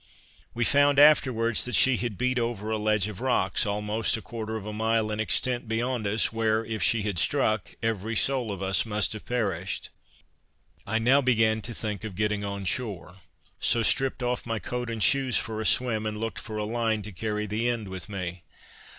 We found afterwards that she had beat over a ledge of rocks, almost a quarter of a mile in extent beyond us, where, if she had struck, every soul of us must have perished. I now began to think of getting on shore, so stripped off my coat and shoes for a swim, and looked for a line to carry the end with me.